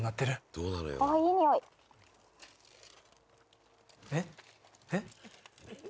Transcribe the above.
どうなのよあっいい匂いえっえっ？